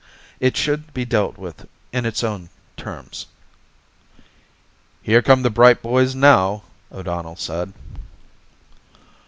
It should be dealt with in its own terms. "Here come the bright boys now," O'Donnell said.